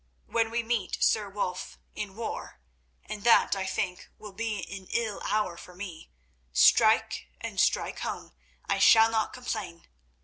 When we meet, Sir Wulf, in war—and that, I think, will be an ill hour for me—strike, and strike home; I shall not complain.